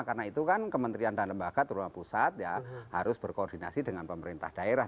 karena itu kan kementerian dan lembaga turunan pusat ya harus berkoordinasi dengan pemerintah daerah